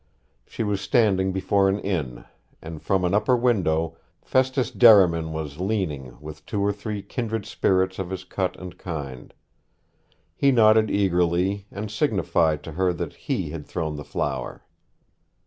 She was standing before an inn, and from an upper window Festus Derriman was leaning with two or three kindred spirits of his cut and kind. He nodded eagerly, and signified to her that he had thrown the flower.